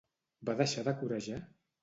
Va deixar de corejar?